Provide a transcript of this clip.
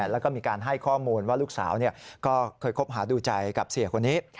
แล้วก็มีการให้ข้อมูลว่าลูกสาวก็เคยคบหาดูใจกับเสียคนนี้